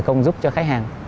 công giúp cho khách hàng